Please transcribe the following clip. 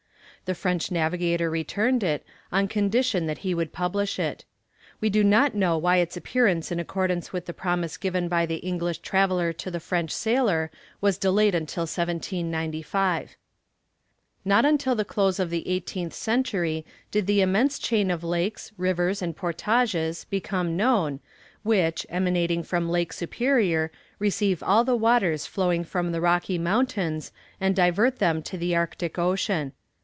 The French navigator returned it, on condition that he would publish it. We do not know why its appearance in accordance with the promise given by the English traveller to the French sailor was delayed until 1795. Not until the close of the eighteenth century did the immense chain of lakes, rivers, and portages become known, which, emanating from Lake Superior, receive all the waters flowing from the Rocky Mountains, and divert them to the Arctic Ocean.